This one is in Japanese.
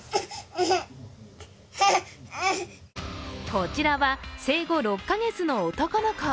こちらは生後６か月の男の子。